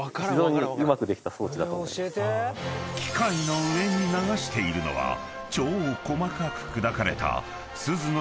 ［機械の上に流しているのは超細かく砕かれた］